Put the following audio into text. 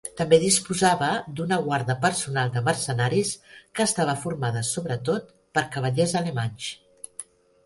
També disposava d'una guarda personal de mercenaris, que estava formada sobretot per cavallers alemanys.